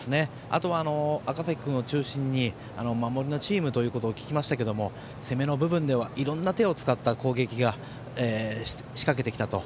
あとは赤嵜君を中心に守りのチームということを聞きましたけども攻めの部分ではいろんな手を使った攻撃を仕掛けてきたと。